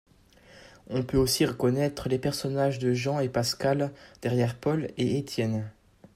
On peut aussi reconnaître les personnages de Jean et Pascal derrière Paul et Étienne.